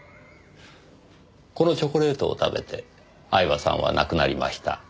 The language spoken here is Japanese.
このチョコレートを食べて饗庭さんは亡くなりました。